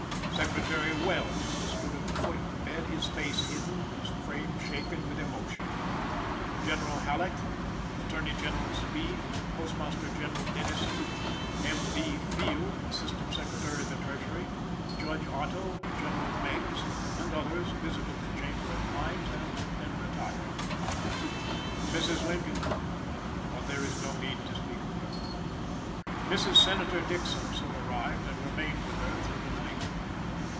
Secretary Welles stood at the foot of the bed, his face hidden, his frame shaken with emotion. General Halleck, Attorney General Speed, Postmaster General Dennison, M. B. Field, Assistant Secretary of the Treasury, Judge Otto, General Meigs, and others, visited the chamber at times, and then retired. Mrs. Lincoln but there is no need to speak of her. Mrs. Senator Dixon soon arrived, and remained with her through the night.